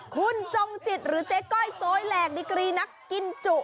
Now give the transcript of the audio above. คุณจงจิตหรือเจ๊ก้อยโซยแหลกดิกรีนักกินจุ